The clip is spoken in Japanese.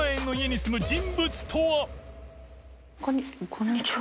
こんにちは。